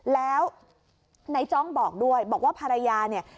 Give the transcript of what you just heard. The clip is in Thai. แล้วนายจ้องบอกด้วยบอกว่าภรรยาเนี่ย